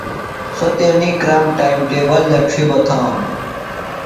سوۡ تیݨی کرام ٹائم ٹیبل دڇھیۡ بہ تھانوۡ۔